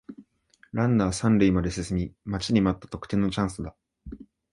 ランナー三塁まで進み待ちに待った得点のチャンスだ